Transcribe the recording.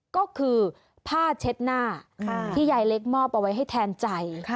ก็คือผ้าเช็ดหน้าที่ยายเล็กมอบเอาไว้ให้แทนใจ